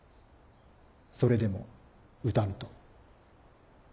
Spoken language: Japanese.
それでも打たぬと。